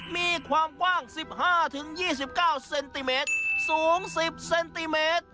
มีความกว้าง๑๕๒๙เซนติเมตรสูง๑๐เซนติเมตร